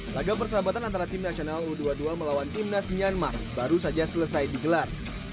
laga persahabatan antara tim nasional u dua puluh dua melawan timnas myanmar baru saja selesai digelar